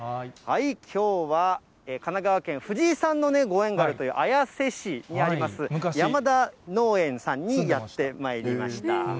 きょうは、神奈川県、藤井さんのご縁があるという綾瀬市にあります山田農園さんにやってまいりました。